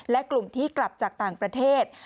และกลุ่มที่กลับจากต่างประเทศ